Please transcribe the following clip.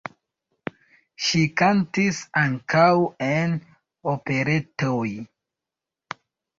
Ŝi kantis ankaŭ en operetoj.